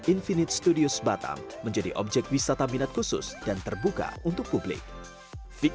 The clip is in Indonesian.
infinite studios batam menjadi objek wisata minat khusus dan terbuka untuk publik